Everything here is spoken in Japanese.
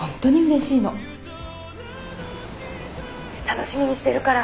楽しみにしてるから。